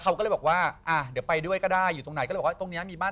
เขาก็เลยบอกว่าแบบของเขา